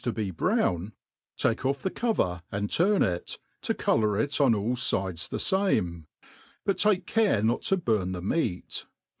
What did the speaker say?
109 to be brown, take biF tbe cover and turn it, tp colour it on all fides the fame ; but take care not' to burn tbe meat.